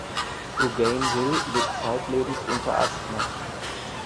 Bougainville litt zeitlebens unter Asthma.